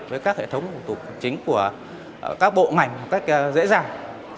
với các hệ thống thủ tục hành chính của các bộ ngành một cách dễ dàng